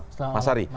selamat malam mas ari